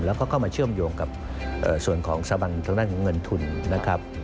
แล้วก็เข้ามาเชื่อมโยงกับส่วนของสถาบันทางด้านของเงินทุนนะครับ